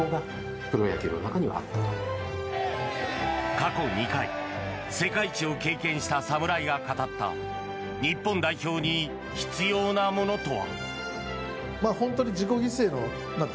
過去２回世界一を経験した侍が語った日本代表に必要なものとは？